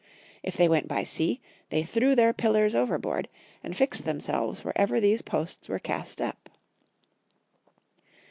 If they went by sea, they threw their pillars overboard, and fixed themselves wherever these posts were cast up.